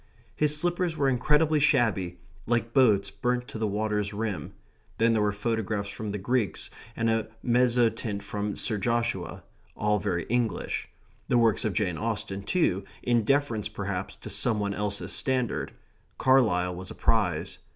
His slippers were incredibly shabby, like boats burnt to the water's rim. Then there were photographs from the Greeks, and a mezzotint from Sir Joshua all very English. The works of Jane Austen, too, in deference, perhaps, to some one else's standard. Carlyle was a prize.